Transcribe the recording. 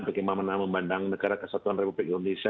bagaimana memandang negara kesatuan republik indonesia